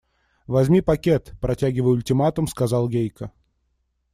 – Возьми пакет, – протягивая ультиматум, сказал Гейка.